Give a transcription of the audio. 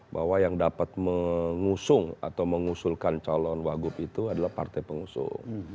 bahwa yang dapat mengusung atau mengusulkan calon wagub itu adalah partai pengusung